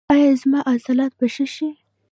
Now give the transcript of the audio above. ایا زما عضلات به ښه شي؟